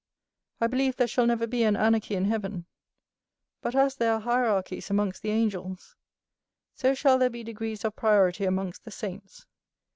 I believe there shall never be an anarchy in heaven; but, as there are hierarchies amongst the angels, so shall there be degrees of priority amongst the saints.